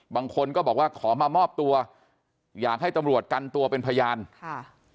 บางคนก็บอกว่าขอมามอบตัวอยากให้ตำรวจกันตัวเป็นพยานค่ะ